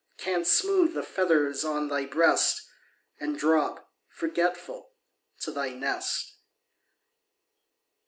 Canst smooth the feathers on thy breast, And drop, forgetful, to thy nest.